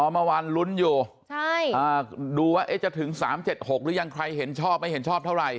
เมื่อวานลุ้นอยู่ดูว่าจะถึง๓๗๖หรือยังใครเห็นชอบไม่เห็นชอบเท่าไหร